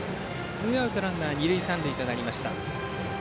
ツーアウトランナー、二塁三塁となりました。